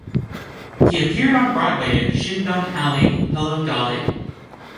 He appeared on Broadway in "Shinbone Alley", "Hello, Dolly!